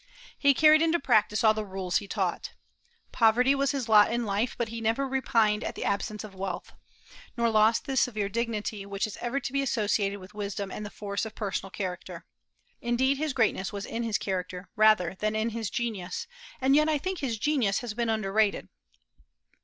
He carried into practice all the rules he taught. Poverty was his lot in life, but he never repined at the absence of wealth, or lost the severe dignity which is ever to be associated with wisdom and the force of personal character. Indeed, his greatness was in his character rather than in his genius; and yet I think his genius has been underrated.